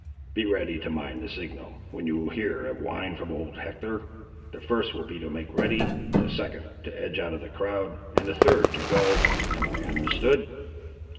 Be ready to mind the signal, when you hear a whine from old Hector. The first will be to make ready; the second, to edge out of the crowd; and the third, to go—am I understood?"